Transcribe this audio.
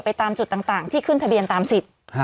ตามจุดต่างที่ขึ้นทะเบียนตามสิทธิ์